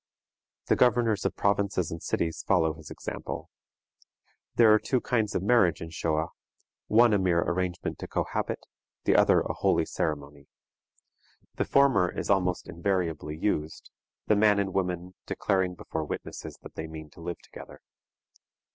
The governors of provinces and cities follow his example. There are two kinds of marriage in Shoa: one a mere arrangement to cohabit, the other a holy ceremony. The former is almost invariably used, the man and woman declaring before witnesses that they mean to live together.